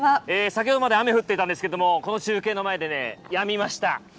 先ほどまで雨降っていたんですけどこの中継の前でやみました。